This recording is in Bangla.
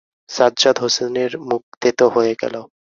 সাজ্জাদ হোসেনের মুখ তেতো হয়ে গেল।